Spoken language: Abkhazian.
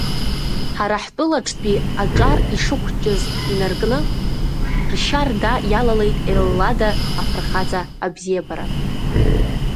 Ҳара ҳтәылаҿтәи аҿар ишыхәҷыз инаркны ршьа-рда иалалеит Еллада афырхаҵа ибзиабара.